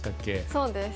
そうです。